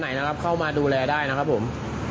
ไหนนะครับเข้ามาดูแลได้นะครับผม